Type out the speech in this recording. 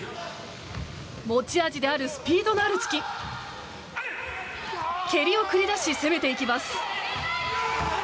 持ち味であるスピードがある突き蹴りを繰り出し攻めていきます。